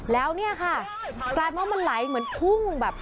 แล้วนี่ค่ะรถมันไหลเหมือนพุ่ง